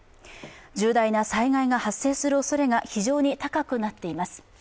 重大な災害が発生するおそれが非常に高くなっています。